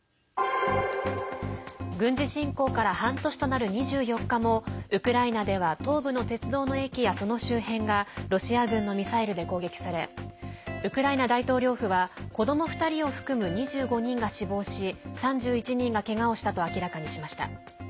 軍事侵攻から半年となる２４日もウクライナでは東部の鉄道の駅や、その周辺がロシア軍のミサイルで攻撃されウクライナ大統領府は子ども２人を含む２５人が死亡し３１人がけがをしたと明らかにしました。